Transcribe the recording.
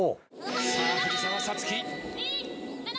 さあ藤澤五月。